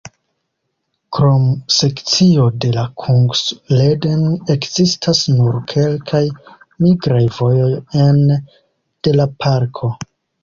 Krom sekcio de la Kungsleden ekzistas nur kelkaj migraj vojoj ene de la parko.